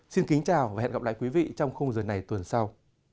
xin kính chào và hẹn gặp lại quý vị trong khung giờ này tuần sau